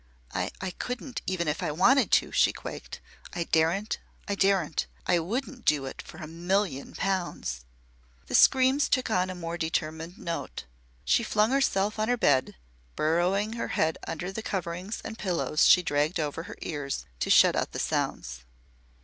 "I I couldn't even if I wanted to!" she quaked. "I daren't! I daren't! I wouldn't do it for a million pounds!" The screams took on a more determined note. She flung herself on her bed, burrowing her head under the coverings and pillows she dragged over her ears to shut out the sounds.